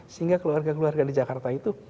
sehingga keluarga keluarga di jakarta itu